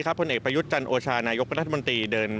คลนเอกประยุจชันโอชานายกรัฐมนตรี